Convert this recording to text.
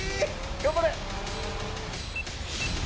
頑張れ！